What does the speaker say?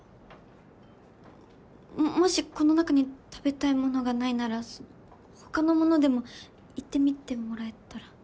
もしこの中に食べたいものがないなら他のものでも言ってみてもらえたら。